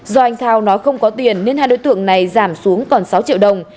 do anh thao nói không có tiền nên hai đối tượng này giảm xuống còn sáu triệu đồng